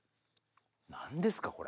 何ですかこれ。